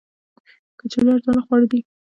کچالو ارزانه خواړه دي